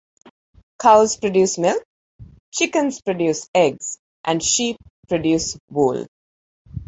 Cows produce milk, chickens produce eggs, and sheep produce wool.